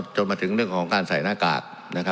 จนมาถึงเรื่องของการใส่หน้ากาก